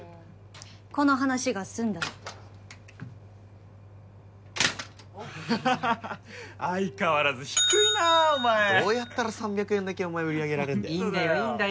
この話が済んだら相変わらず低いなお前どうやったら３００円だけお前売り上げられんだよいいんだよいいんだよ